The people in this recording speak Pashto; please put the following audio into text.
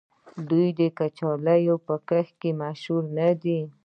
آیا دوی د کچالو په کښت مشهور نه دي؟